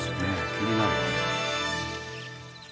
気になる。